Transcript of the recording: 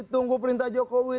tunggu perintah jokowi